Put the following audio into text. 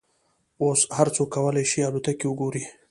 اوس هر څوک کولای شي الوتکې وګوري.